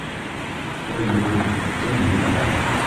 — Эй егет, кем һин?